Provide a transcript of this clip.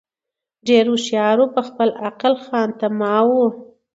ډېر هوښیار وو په خپل عقل خامتماوو